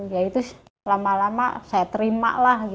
ya itu lama lama saya terima lah